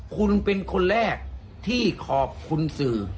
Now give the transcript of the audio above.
คุณเป็นคนแรกที่ขอบคุณสื่อ